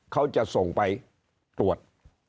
เขาจะส่งไปตรวจ